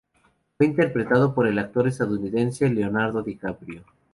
Fue interpretado por el actor estadounidense Leonardo DiCaprio.